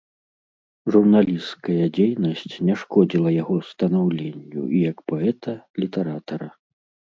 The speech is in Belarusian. Журналісцкая дзейнасць не шкодзіла яго станаўленню і як паэта, літаратара.